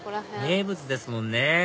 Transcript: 名物ですもんね